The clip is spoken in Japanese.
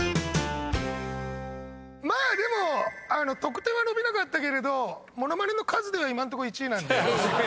まあでも得点は伸びなかったけれど物まねの数では今んとこ１位なんで。